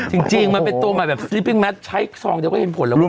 จริงจริงมันเป็นตัวใหม่แบบใช้ซองเดี๋ยวก็เห็นผลแล้วก็ดี